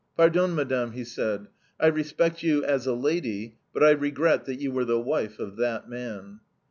"Pardon, Madame," he said, "I respect you as a lady, but I regret that you were the wife of that man."